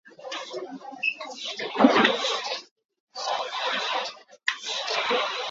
Hna cu na chet bak ko.